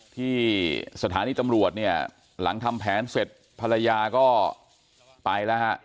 ที่สถานีตำรวจเนี่ยหลังทำแผนเสร็จภรรยาก็ไปแล้วฮะ